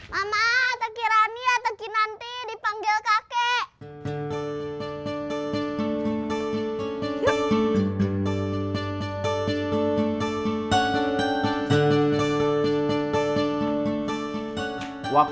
mama atau kirani atau kinanti dipanggil kakek